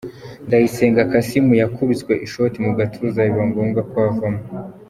Ndayisenga Kassim yakubiswe ishoti mu gatuza biba ngombwa ko avamo.